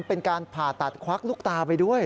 เป็นการผ่าตัดควักลูกตาไปด้วย